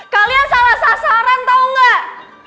kalian salah sasaran tau gak